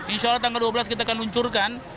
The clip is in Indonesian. insya allah tanggal dua belas kita akan luncurkan